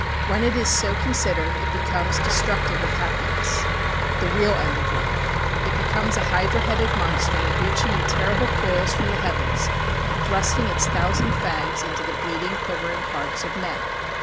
When it is so considered it becomes destructive of happiness the real end of life. It becomes a hydra headed monster, reaching in terrible coils from the heavens, and thrusting its thousand fangs into the bleeding, quivering hearts of men.